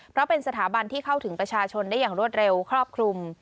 เพราะเป็นสถาบันที่เข้าถึงประชาชนได้อย่างรวดเร็วครอบคลุม